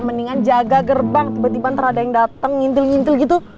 mendingan jaga gerbang tiba tiba terada yang dateng ngintil ngintil gitu